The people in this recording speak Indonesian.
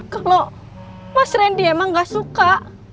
kalau mas randy emang gak suka